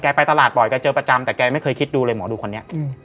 ไปตลาดบ่อยแกเจอประจำแต่แกไม่เคยคิดดูเลยหมอดูคนนี้